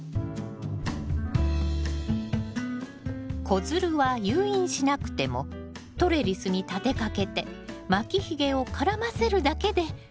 子づるは誘引しなくてもトレリスに立てかけて巻きひげを絡ませるだけでＯＫよ。